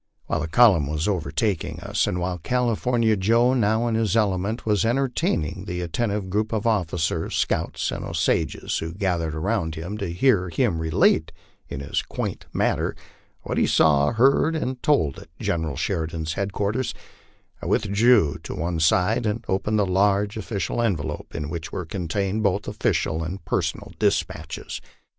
While the column was overtaking us, and while California Joe, now in his element, was entertaining the attentive group of officers, scouts, and Osages who gathered around him to hear him relate in his quaint manner what he saw, heard, and told at General Sheridan's headquarters, I withdrew to one side and opened the large official envelope in which were contained both offi cial and personal despatches.